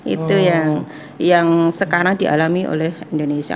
itu yang sekarang dialami oleh indonesia